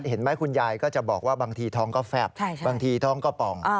เห็นไหมคุณยายก็จะบอกว่าบางทีท้องก็แฟบบางทีท้องก็ป่อง